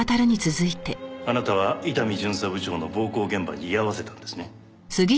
あなたは伊丹巡査部長の暴行現場に居合わせたんですね？